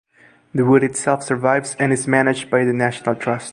The wood itself survives and is managed by the National Trust.